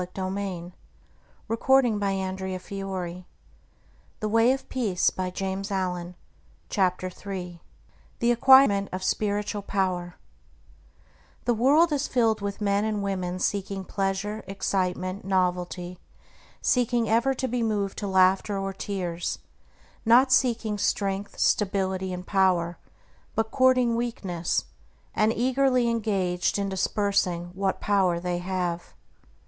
Across self's dark desert cease wearily driving; Come; drink at the beautiful waters of Truth. THE ACQUIREMENT OF SPIRITUAL POWER The world is filled with men and women seeking pleasure, excitement, novelty; seeking ever to be moved to laughter or tears; not seeking strength, stability, and power; but courting weakness, and eagerly engaged in dispersing what power they have.